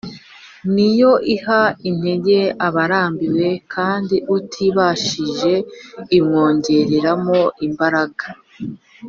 ni yo iha intege abarambiwe, kandi utibashije imwongeramo imbaraga